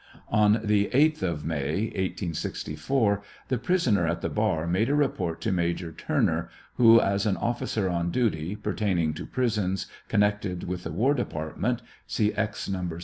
On the 8ih of May, 1864, the prisoner at the bar made a report to Major Turner, who, as an officer on duty pertaining to prisons, connected with the war department, (see Ex.